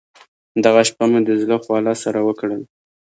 دغه شپه مو د زړه خواله سره وکړل.